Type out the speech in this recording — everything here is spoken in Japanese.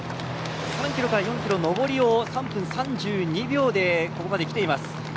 ３キロから４キロの上りを３分３２秒でここまできています。